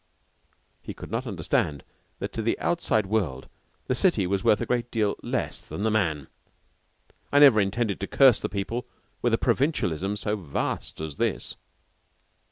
He could not understand that to the outside world the city was worth a great deal less than the man. I never intended to curse the people with a provincialism so vast as this.